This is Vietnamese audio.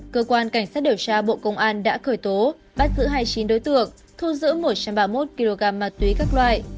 cơ quan cảnh sát điều tra bộ công an đã khởi tố bắt giữ hai mươi chín đối tượng thu giữ một trăm ba mươi một kg ma túy các loại